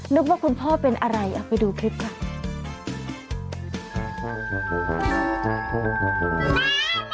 นึกว่าคุณพ่อเป็นอะไรเอาไปดูคลิปค่ะ